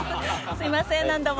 すいません何度も。